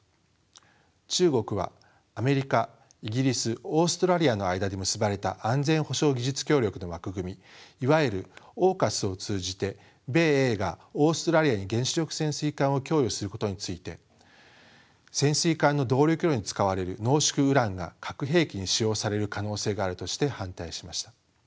中国はアメリカイギリスオーストラリアの間で結ばれた安全保障技術協力の枠組みいわゆるＡＵＫＵＳを通じて米英がオーストラリアに原子力潜水艦を供与することについて潜水艦の動力炉に使われる濃縮ウランが核兵器に使用される可能性があるとして反対しました。